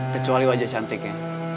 kecuali wajah cantiknya